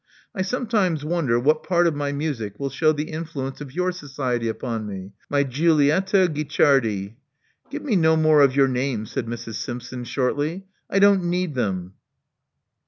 I sometimes wonder what part of my music will show the influence of your society upon me. My Giulietta Guicciardi!" Give me no more of your names," said Mrs. Simp son, shortly, I don't need them."